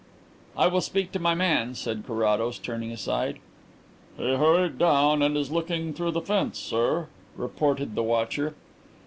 "I will speak to my man," said Carrados, turning aside. "He hurried down and is looking through the fence, sir," reported the watcher.